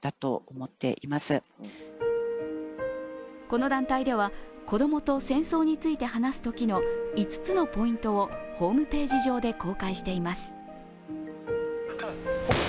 この団体では子供と戦争について話すときの５つのポイントをホームページ上で公開しています。